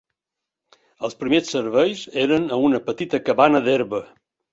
Els primers serveis eren a una petita cabana d'herba.